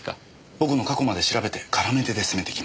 僕の過去まで調べてからめ手で攻めて来ました。